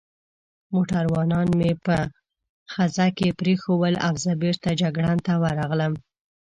موټروانان مې په خزه کې پرېښوول او زه بېرته جګړن ته ورغلم.